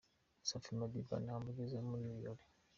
Safi Madiba na Humble Jizzo muri ibi birori.